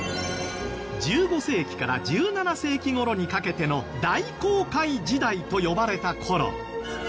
１５世紀から１７世紀頃にかけての大航海時代と呼ばれた頃。